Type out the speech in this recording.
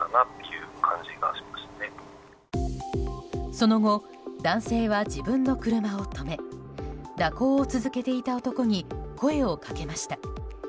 その後、男性は自分の車を止め蛇行を続けていた男に声を掛けました。